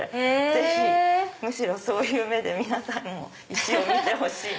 ぜひむしろそういう目で皆さんにも石を見てほしい。